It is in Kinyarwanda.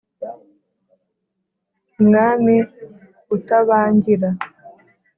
umwami utabangira